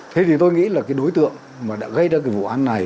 thế thì tôi nghĩ là cái đối tượng mà đã gây ra cái vụ án này